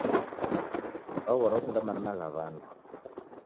Waghora okunda marina gha w'andu.